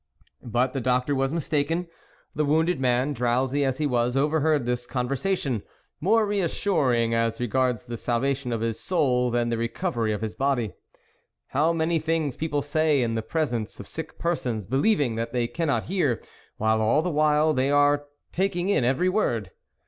But the doctor was mistaken; the wounded man, drowsy as he was, overheard this conversation, more re assuring as regards the salvation of his soul than the recovery of his body. How many things people say in the presence of sick persons, believing that they cannot hear, while all the while, they are taking in every word